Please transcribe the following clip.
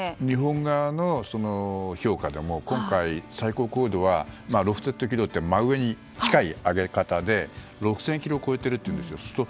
日本側の評価でも今回、最高高度はロフテッド軌道といって真上に近い上げ方で６０００ｋｍを超えているというんです。